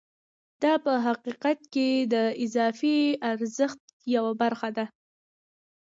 دا په حقیقت کې د اضافي ارزښت یوه برخه ده